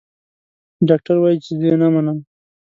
ډاکټر وايي چې زه يې نه منم.